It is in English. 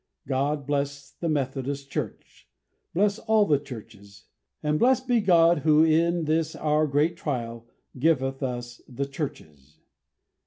God bless the Methodist Church bless all the churches and blessed be God, Who, in this our great trial, giveth us the churches.